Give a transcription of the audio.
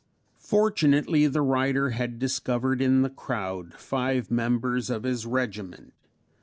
Fortunately the writer had discovered in the crowd five members of his regiment.